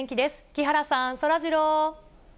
木原さん、そらジロー。